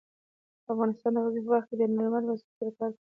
افغانستان د غزني په برخه کې له نړیوالو بنسټونو سره کار کوي.